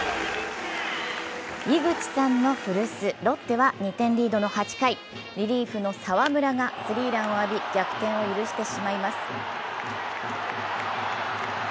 井口さんの古巣・ロッテは２点リードの８回、リリーフの澤村がスリーランを浴び逆転を許してしまいます。